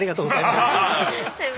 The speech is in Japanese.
すいません。